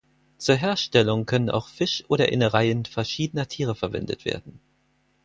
Zur Herstellung können auch Fisch oder Innereien verschiedener Tiere verwendet werden.